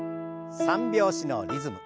３拍子のリズム。